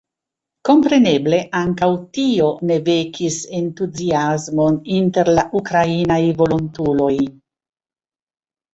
Kompreneble ankaŭ tio ne vekis entuziasmon inter la ukrainaj volontuloj.